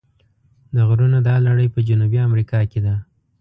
د غرونو دا لړۍ په جنوبي امریکا کې ده.